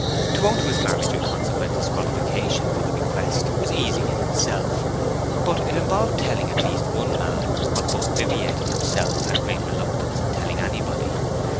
To own to his marriage and consequent disqualification for the bequest was easy in itself; but it involved telling at least one man what both Viviette and himself had great reluctance in telling anybody.